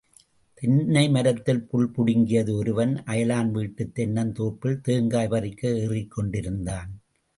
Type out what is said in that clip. தென்னைமரத்தில் புல் பிடிங்கியது ஒருவன் அயலான் வீட்டுத் தென்னந் தோப்பில் தேங்காய் பறிக்க ஏறிக்கொண்டிருந்தான்.